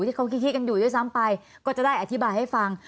ที่เขาคิดกันอยู่ด้วยซ้ำไปก็จะได้อธิบายให้ฟัง